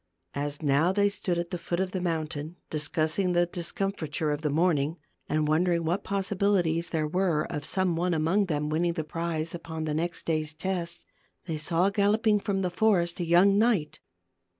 ^ e As now they stood at the foot of the u mountain dis j*m°r. cuss j n g the discomfiture of the vs morning, and won p 0 dering what possi ,v ' bilities there were of some one among them THE GLASS MOUNTAIN. 269 winning the prize upon the next day's test, they saw galloping from the forest a young knight.